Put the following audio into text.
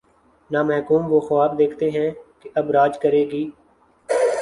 نہ محکوم وہ خواب دیکھتے ہیں کہ:''اب راج کرے گی۔